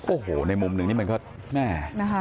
โอ้โหในมุมหนึ่งนี่มันก็แม่นะคะ